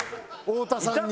太田さんに。